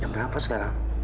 jam berapa sekarang